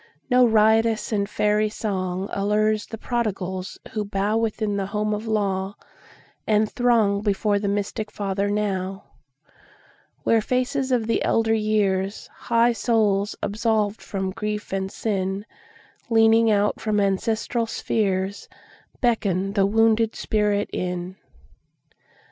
No riotous and fairy songAllures the prodigals who bowWithin the home of law, and throngBefore the mystic Father now, Where faces of the elder years, High souls absolved from grief and sin, Leaning from out ancestral spheresBeckon the wounded spirit in.